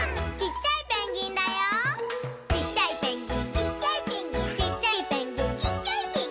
「ちっちゃいペンギン」